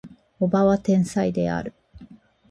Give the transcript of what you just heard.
叔母は天才である